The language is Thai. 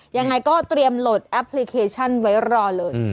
ยังไงก็เตรียมโหลดแอปพลิเคชันไว้รอเลย